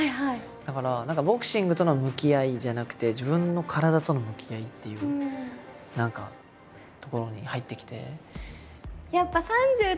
だからボクシングとの向き合いじゃなくて自分の体との向き合いっていうところに入ってきて。